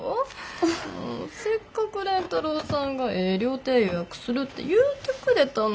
もうせっかく蓮太郎さんがええ料亭予約するって言うてくれたのに。